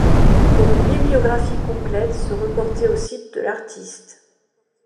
Pour une bibliographie complète, se reporter au site de l'artiste.